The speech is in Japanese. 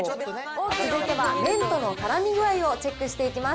続いては、麺とのからみ具合をチェックしていきます。